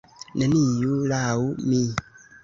Neniu, laŭ mi.